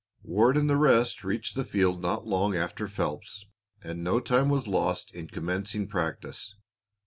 Ward and the rest reached the field not long after Phelps, and no time was lost in commencing practice.